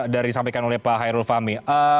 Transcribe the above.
dari disampaikan oleh pak hairul fahmi